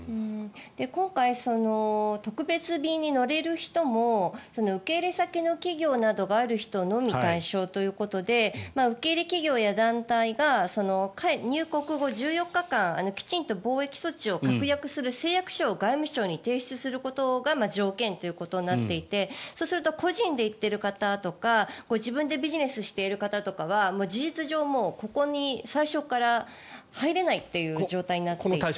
今回、特別便に乗れる人も受け入れ先の企業などがある人のみ対象ということで受け入れ企業や団体が入国後１４日間きちんと防疫措置を確約する誓約書を外務省に提出することが条件ということになっていてそうすると個人で行っている方とか自分でビジネスしている方とかは事実上、ここに最初から入れないという状態になっていて。